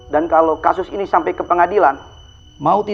saya akan siapkan berkasnya ya pak nino